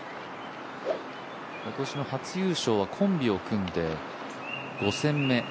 今年の初優勝はコンビを組んで５戦目。